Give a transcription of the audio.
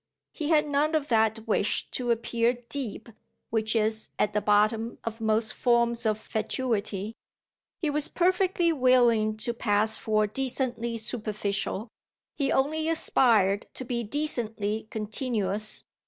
He had none of that wish to appear deep which is at the bottom of most forms of fatuity; he was perfectly willing to pass for decently superficial; he only aspired to be decently continuous.